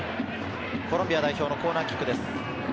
コロンビア代表のコーナーキックです。